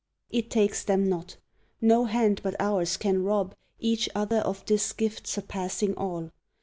It takes them not no hand but ours can rob Each other of this gift surpassing all!